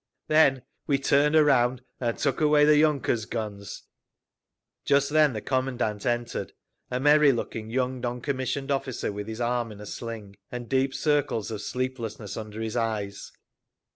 Then we turned around and took away the yunkers' guns…." Just then the commandant entered—a merry looking young non commissioned officer with his arm in a sling, and deep circles of sleeplessness under his eyes.